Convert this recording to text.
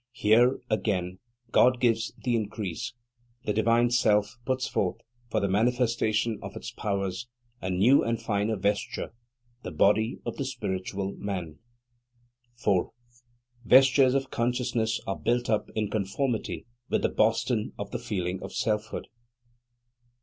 Here, again, God gives the increase. The divine Self puts forth, for the manifestation of its powers, a new and finer vesture, the body of the spiritual man. 4. Vestures of consciousness are built up in conformity with the Boston of the feeling of selfhood.